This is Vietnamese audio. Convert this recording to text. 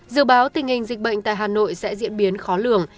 dự báo tình hình dịch bệnh tại hà nội sẽ diễn biến khó lường